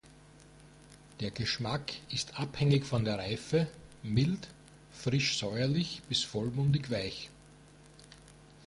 Der Geschmack ist abhängig von der Reife mild, frisch-säuerlich bis vollmundig-weich.